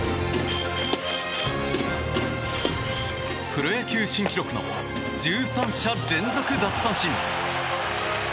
プロ野球新記録の１３者連続奪三振。